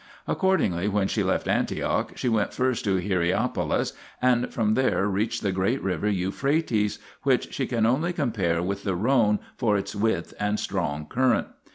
Accordingly, when she left Antioch she went first to Hierapolis, and from there reached the great river Euphrates, which she can only com pare with the Rhone for its width and strong current.